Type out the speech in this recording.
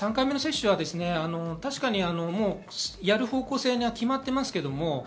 ３回目の接種は確かにやる方向性が決まっています。